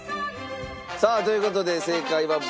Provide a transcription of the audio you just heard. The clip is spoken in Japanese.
さあという事で正解はブランコ。